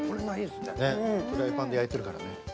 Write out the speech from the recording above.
フライパンで焼いてるからね。